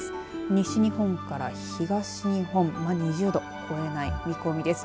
西日本から東日本は２０度を超えない見込みです。